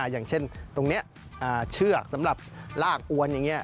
อย่างเช่นตรงนี้เชือกสำหรับลากอวนอย่างนี้